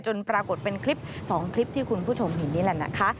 ปรากฏเป็นคลิป๒คลิปที่คุณผู้ชมเห็นนี่แหละนะคะ